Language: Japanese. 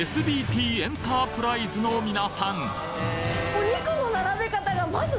お肉の並べ方がまず。